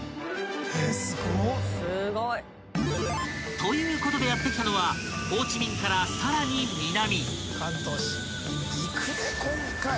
［ということでやって来たのはホーチミンからさらに南］